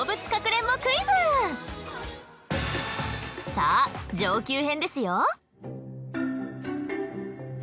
さぁ上級編ですよ。